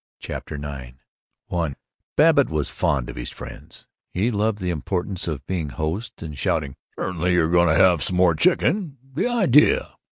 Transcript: CHAPTER IX I Babbitt was fond of his friends, he loved the importance of being host and shouting, "Certainly, you're going to have smore chicken the idea!"